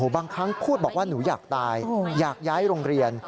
บางครั้งพูดบอกว่าหนูอยากตายอยากย้ายโรงเรียน